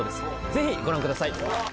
ぜひご覧ください